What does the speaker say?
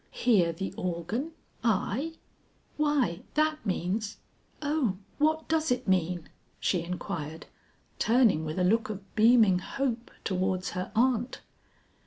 "Hear the organ, I? why that means O what does it mean?" she inquired, turning with a look of beaming hope towards her aunt.